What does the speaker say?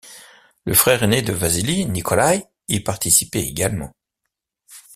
Le frère aîné de Vassili, Nikolaï y participait également.